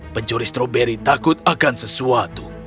pencuri stroberi takut akan sesuatu